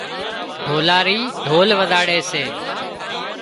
ڍولاري ڍول وزاڙي سي